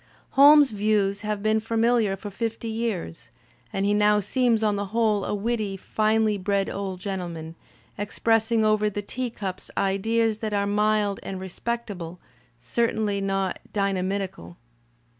Holmes's views have been familiar for fifty years, and he now seems on the whole a witty, finely bred old gentleman, expressing over the teacups ideas that are mild and respect able, certainly not dynamitical.